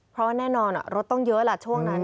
เพราะแน่นอนรถต้องเยอะแหละช่วงนั้น